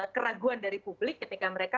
keraguan dari publik ketika mereka